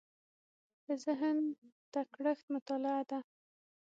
د ذهن تکړښت مطالعه ده.